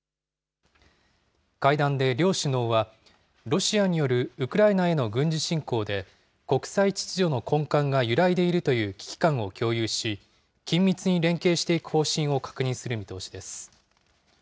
会談で両首脳は、ロシアによるウクライナへの軍事侵攻で、国際秩序の根幹が揺らいでいるという危機感を共有し、緊密に連携していく方針を確認する見通しです。